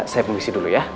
saya pun isi dulu ya